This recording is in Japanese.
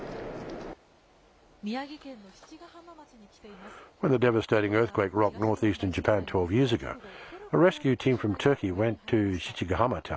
宮城県の七ヶ浜町に来ています。